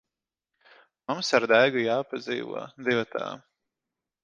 Mums ar Daigu jāpadzīvo divatā.